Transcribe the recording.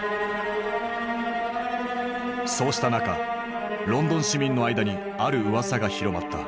そうした中ロンドン市民の間にあるうわさが広まった。